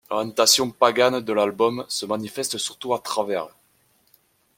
L'orientation pagan de l'album se manifeste surtout à travers '.